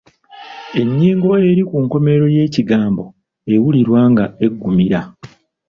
Ennyingo eri ku nkomerero y'ekigambo ewulirwa nga eggumira.